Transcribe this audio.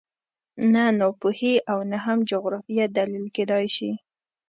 نه ناپوهي او نه هم جغرافیه دلیل کېدای شي